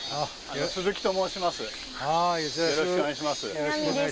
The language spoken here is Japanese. よろしくお願いします。